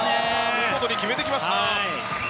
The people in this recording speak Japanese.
見事に決めてきました！